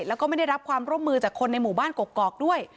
แล้วก็ไม่ได้รับความร่วมมือจากคนในหมู่บ้านกกอกด้วย